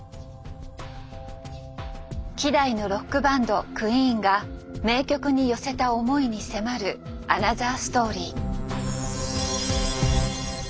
希代のロックバンドクイーンが名曲に寄せた思いに迫るアナザーストーリー。